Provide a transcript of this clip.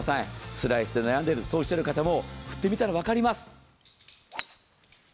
スライスで悩んでいる、そうおっしゃる方も、振ってみたら分かります。